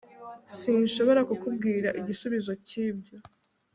sinshobora kukubwira igisubizo cyibyo